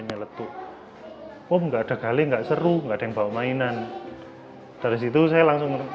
nyeletuk om nggak ada kali enggak seru nggak ada yang bawa mainan dari situ saya langsung